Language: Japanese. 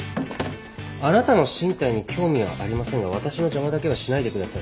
あなたの進退に興味はありませんが私の邪魔だけはしないでください。